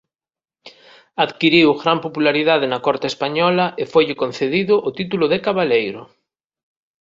Adquiriu gran popularidade na corte española e foille concedido o título de Cabaleiro.